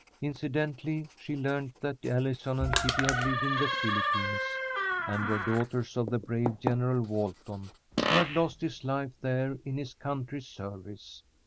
Incidentally she learned that Allison and Kitty had lived in the Philippines, and were daughters of the brave General Walton who had lost his life there in his country's service.